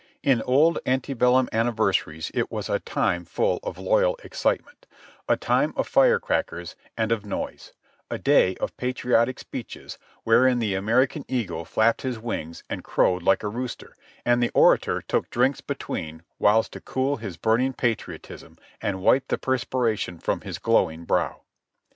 In old ante bellum anniversaries it was a time full of loyal excitement; a time of fire crackers and of noise ; a day of patriotic speeches wherein the American Eagle flapped his wings and crowed like a rooster, and the orator took drinks between whiles to cool his burning patriotism, and wiped the perspiration from his glowing brow.